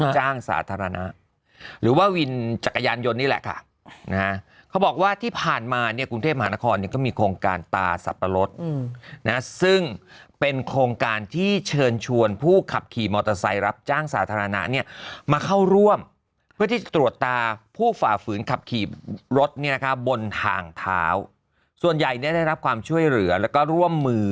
จ้างสาธารณะหรือว่าวินจักรยานยนต์นี่แหละค่ะนะฮะเขาบอกว่าที่ผ่านมาเนี่ยกรุงเทพมหานครเนี่ยก็มีโครงการตาสับปะรดนะซึ่งเป็นโครงการที่เชิญชวนผู้ขับขี่มอเตอร์ไซค์รับจ้างสาธารณะเนี่ยมาเข้าร่วมเพื่อที่จะตรวจตาผู้ฝ่าฝืนขับขี่รถเนี่ยนะคะบนทางเท้าส่วนใหญ่เนี่ยได้รับความช่วยเหลือแล้วก็ร่วมมือ